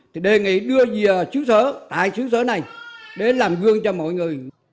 thì đề nghị đưa về chứa sở hai chứa sở này để làm gương cho mọi người